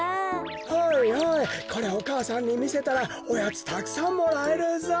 はいはいこりゃお母さんにみせたらおやつたくさんもらえるぞ。